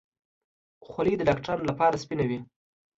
خولۍ د ډاکترانو لپاره سپینه وي.